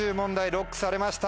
ＬＯＣＫされました。